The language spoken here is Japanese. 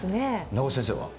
名越先生は？